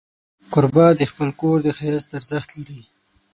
کوربه د خپل کور د ښایست ارزښت لري.